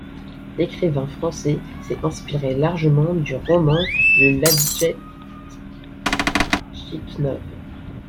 L'écrivain français s'est inspiré largement du roman de Lajetchnikov.